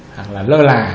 hoặc là lơ là